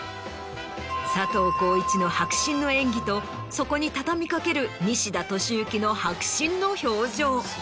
佐藤浩市の迫真の演技とそこに畳み掛ける西田敏行の迫真の表情。